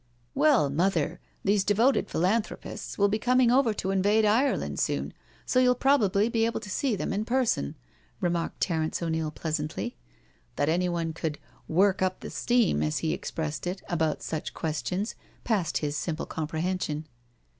'' Well, mother, these ' devoted philanthropists ' will be coming over to invade Ireland soon, so you'll probably be able to see them in person," remarked Terence O'Neil pleasantly. That anyone could " work up the steam/* as he expressed it, about such questions passed his simple comprehension.